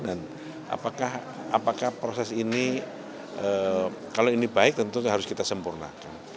dan apakah proses ini kalau ini baik tentu harus kita sempurnakan